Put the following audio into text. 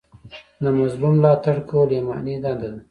د مظلوم ملاتړ کول ایماني دنده ده.